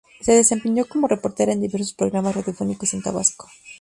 Se desempeñó como reportera en diversos programas radiofónicos en Tabasco.